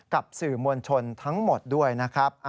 กับสื่อมวลชนทั้งหมดด้วยนะครับ